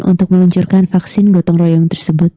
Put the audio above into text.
untuk meluncurkan vaksin gotong royong tersebut